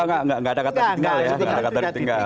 enggak enggak enggak ada kata ditinggal ya